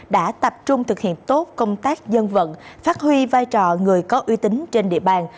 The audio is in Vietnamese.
đã tập trung thực hiện tốt công tác dân vận phát huy vai trò người có uy tín trên địa bàn